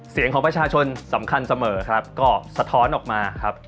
เสียงของประชาชนสำคัญเสมอครับก็สะท้อนออกมาครับ